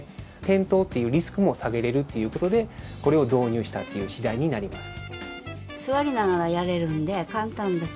転倒っていうリスクも避けられるっていう事でこれを導入したっていう次第になります。